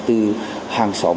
từ hàng xóm